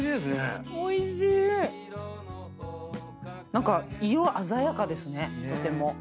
何か色鮮やかですねとても。